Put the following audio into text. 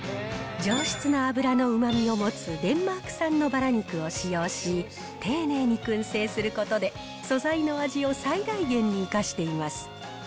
上質な脂のうまみを持つデンマーク産のバラ肉を使用し、丁寧にくん製することで、素材の味を最大限に生かしています。